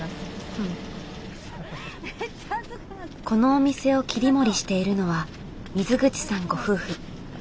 このお店を切り盛りしているのは水口さんご夫婦。